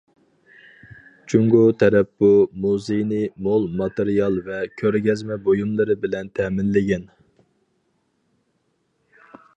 جۇڭگو تەرەپ بۇ مۇزېينى مول ماتېرىيال ۋە كۆرگەزمە بۇيۇملىرى بىلەن تەمىنلىگەن.